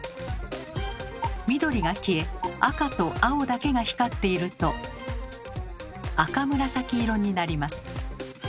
緑が消え赤と青だけが光っていると赤紫色になります。